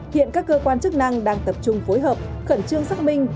hiện các cơ quan chức năng đang tập trung phối hợp khẩn trương xác minh